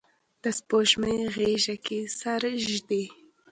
د سپوږمۍ غیږه کې سر ږدي